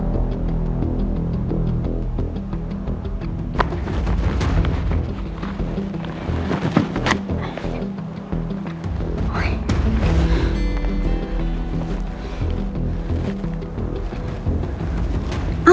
ห้องเด็กอะไรวะ